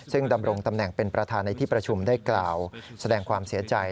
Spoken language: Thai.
ซึ่งดำรงตำแหน่งเป็นประธานในที่ประชุมได้กล่าวแสดงความเสียใจ